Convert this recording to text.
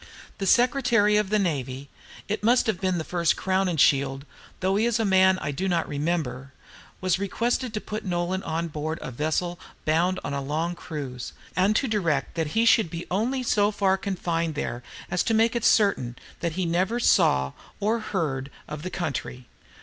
The Secretary of the Navy it must have been the first Crowninshield, though he is a man I do not remember was requested to put Nolan on board a government vessel bound on a long cruise, and to direct that he should be only so far confined there as to make it certain that he never saw or heard of the country.